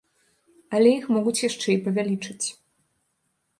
Але іх могуць яшчэ і павялічыць.